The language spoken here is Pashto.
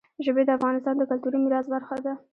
ژبې د افغانستان د کلتوري میراث برخه ده.